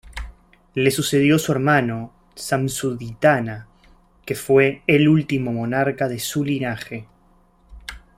Le sucedió su hermano Šamšu-ditana, que fue el último monarca de su linaje.